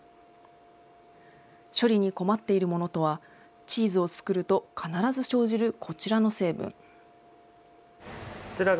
処理に困っているものとは、チーズを作ると必ず生じるこちらの成分。